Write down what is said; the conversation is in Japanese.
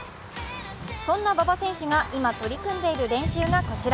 そんな馬場選手が今取り組んでいる練習がこちら。